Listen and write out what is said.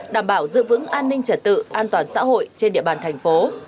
đảm bảo giữ vững an ninh trật tự an toàn xã hội trên địa bàn thành phố